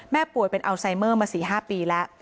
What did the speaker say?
ป่วยเป็นอัลไซเมอร์มา๔๕ปีแล้ว